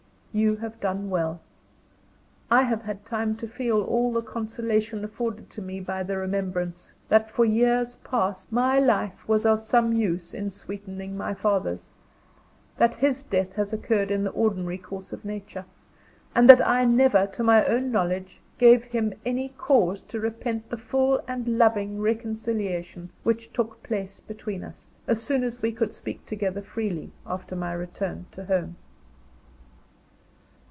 You have done well. I have had time to feel all the consolation afforded to me by the remembrance that, for years past, my life was of some use in sweetening my father's; that his death has occurred in the ordinary course of Nature; and that I never, to my own knowledge, gave him any cause to repent the full and loving reconciliation which took place between us, as soon as we could speak together freely after my return to home.